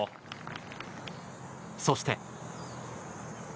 そして。